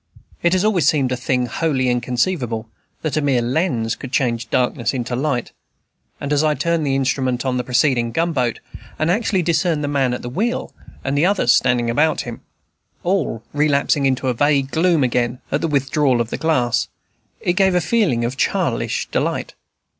It had always seemed a thing wholly inconceivable, that a mere lens could change darkness into light; and as I turned the instrument on the preceding gunboat, and actually discerned the man at the wheel and the others standing about him, all relapsing into vague gloom again at the withdrawal of the glass, it gave a feeling of childish delight.